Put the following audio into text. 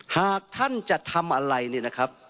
หากท่านจะทำอะไรเนี่ยนะครับ